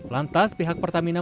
lantas pihak pertamina